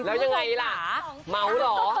แล้วยังไงล่ะเมาเหรอ